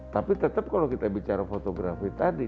tapi tetap kalau kita bicara fotografi tadi